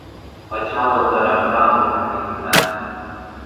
Почало переправу на лівий берег.